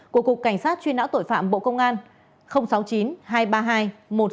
của cơ quan cảnh sát điều tra công an tỉnh điện biên